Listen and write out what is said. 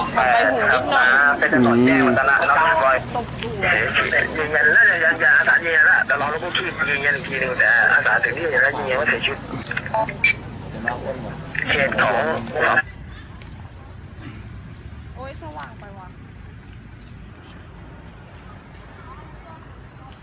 อย่างนั้นยาศาจะยิงอย่างนั้นถ้าเหลากูชิดยาศาจะเธอยิงอย่างนั้น